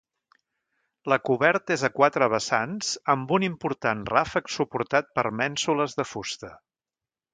La coberta és a quatre vessants amb un important ràfec suportat per mènsules de fusta.